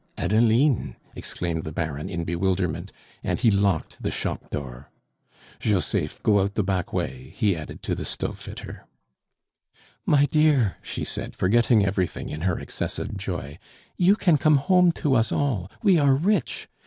"Adeline!" exclaimed the Baron in bewilderment, and he locked the shop door. "Joseph, go out the back way," he added to the stove fitter. "My dear!" she said, forgetting everything in her excessive joy, "you can come home to us all; we are rich.